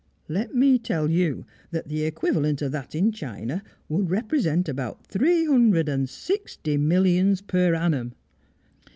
Let me tell you that the equivalent of that in China would represent about three hundred and sixty millions per annum!"